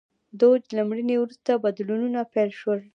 دوج له مړینې وروسته بدلونونه پیل شول.